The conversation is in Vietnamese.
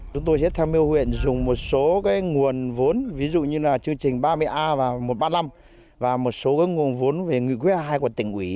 chúng tôi rất tham mưu huyện dùng một số nguồn vốn ví dụ như là chương trình ba mươi a và một trăm ba mươi năm và một số nguồn vốn về nghị quyết hai của tỉnh ủy